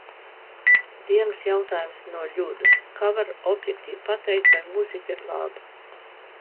Dienas jautājums no Ļudas – kā var objektīvi pateikt, vai mūzika ir laba?